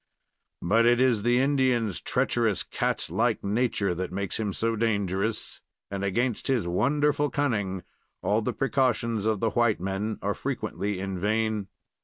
But it is the Indian's treacherous, cat like nature that makes him so dangerous, and against his wonderful cunning all the precautions of the white men are frequently in vain.